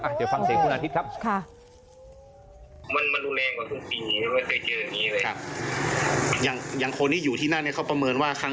เดี๋ยวฟังเสียงคุณอาทิตย์ครับ